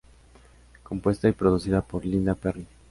Compuesta y producida por Linda Perry.